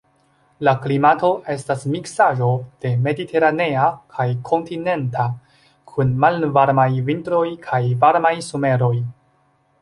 La klimato estas miksaĵo de mediteranea kaj kontinenta, kun malvarmaj vintroj kaj varmaj someroj.